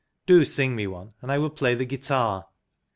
" Do sing me one, and I will play the guitar."